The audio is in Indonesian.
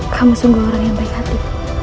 kamu sungguh orang yang baik hati